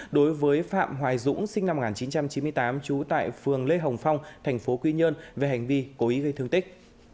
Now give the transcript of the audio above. đối với phạm hoài dũng sinh năm một nghìn chín trăm chín mươi tám trú tại phường lê hồng phong thành phố quy nhơn về hành vi cố ý gây thương tích